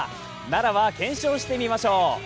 ならば検証してみましょう。